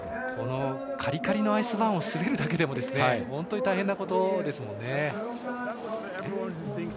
カリカリのアイスバーンを滑るだけでも本当に大変なことですからね。